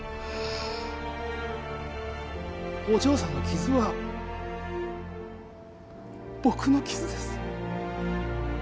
お嬢さんの傷は僕の傷です。